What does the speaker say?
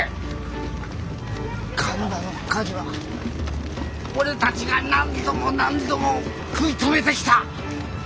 神田の火事は俺たちが何度も何度も食い止めてきた！